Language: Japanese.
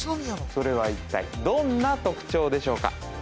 それは一体どんな特徴でしょうか？